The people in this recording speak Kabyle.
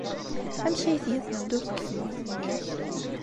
Amek ay tga tmeddurt deg tmurt-nnek?